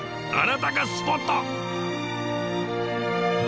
あらたかスポット！